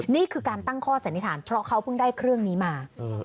นี่คือการตั้งข้อสันนิษฐานเพราะเขาเพิ่งได้เครื่องนี้มา